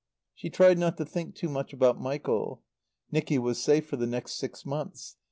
She tried not to think too much about Michael. Nicky was safe for the next six months.